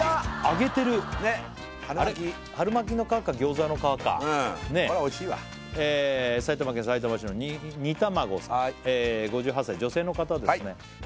揚げてる春巻きの皮か餃子の皮かこりゃおいしいわ５８歳女性の方ですね